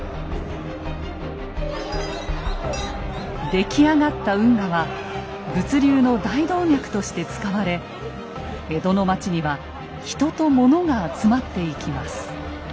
出来上がった運河は物流の大動脈として使われ江戸の町には人と物が集まっていきます。